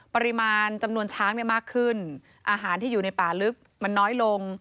ปริมาณจำนวนช้างเนี่ยมากขึ้นอาหารที่อยู่ในป่าลึกมันน้อยลง